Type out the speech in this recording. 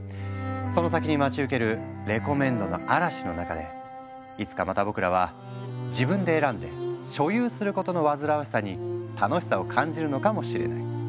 その先に待ち受けるレコメンドの嵐の中でいつかまた僕らは自分で選んで所有することの煩わしさに楽しさを感じるのかもしれない。